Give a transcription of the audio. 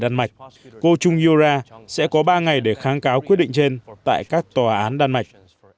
đan mạch cô chung yora sẽ có ba ngày để kháng cáo quyết định trên tại các tòa án đan mạch